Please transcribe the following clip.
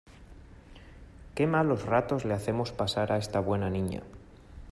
¡Qué malos ratos le hacemos pasar a esta buena niña!